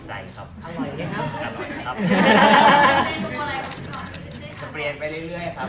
สเบียนไปเรื่อยครับ